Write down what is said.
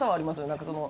何かその。